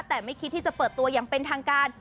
แต่ไม่คิดที่จะเปิดตัวอย่างเป็นทางการ